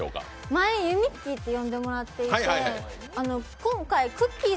前、ゆみっきーって呼んでもらっていて、今回、くっきー！